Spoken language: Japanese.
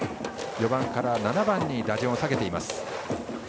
４番から７番に打順を下げています。